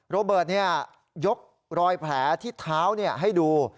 โรเบิร์ตยกรอยแผลที่เท้าให้ดู